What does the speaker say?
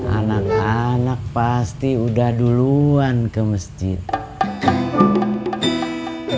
anak anak pasti udah duluan ke masjid